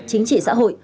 chính trị xã hội